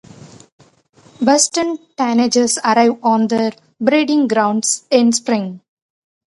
Western tanagers arrive on their breeding grounds in spring.